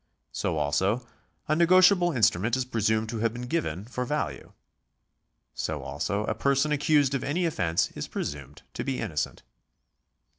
So also a negotiable instrument is presumed to have been given for value. So also a person accused of any offence is presumed to be innocent.